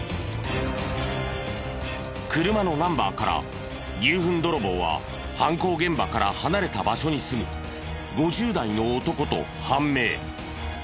車のナンバーから牛ふん泥棒は犯行現場から離れた場所に住む５０代の男と判明。